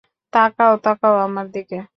তাকাও, তাকাও আমার দিকে।